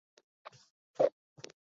তুমি সবকিছু ভেবেই রেখেছো।